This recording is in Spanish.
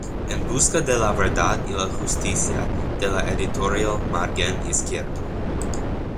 En busca de la verdad y la justicia", de la editorial Margen Izquierdo.